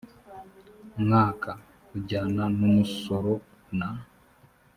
mwaka ujyana n umusoro na